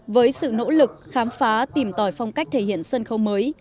với sự nỗ lực khám phá tìm tòi phong cách thể hiện sân khấu mới